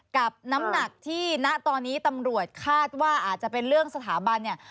กับน้ำหนักที่ณตอนนี้ตำรวจคาดว่าอาจจะเป็นเรื่องสถาบันเนี่ย